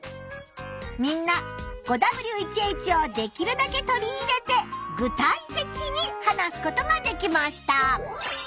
みんな５Ｗ１Ｈをできるだけ取り入れて具体的に話すことができました。